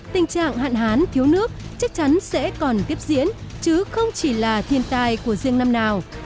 tình trạng hạn hán thiếu nước chắc chắn sẽ còn tiếp diễn chứ không chỉ là thiên tai của riêng năm nào